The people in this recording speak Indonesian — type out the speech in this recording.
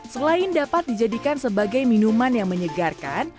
selain dapat dijadikan sebagai minuman yang menyegarkan